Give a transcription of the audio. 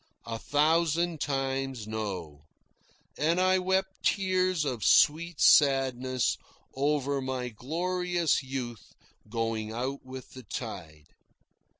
A thousand times no; and I wept tears of sweet sadness over my glorious youth going out with the tide.